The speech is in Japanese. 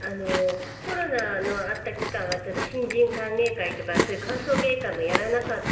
コロナのあった期間は新人歓迎会とかそういう歓送迎会もやらなかった。